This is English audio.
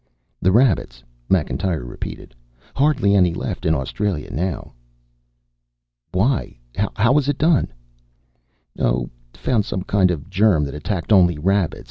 "The rabbits," Macintyre repeated. "Hardly any left in Australia now." "Why? How was it done?" "Oh, found some kind of germ that attacked only rabbits.